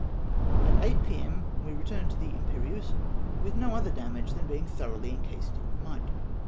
At 8 p.m. we returned to the Im perieuse, with no other damage than being thoroughly encased in mud.